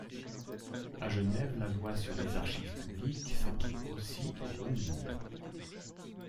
À Genève, la Loi sur les archives publiques s’applique aussi aux communes.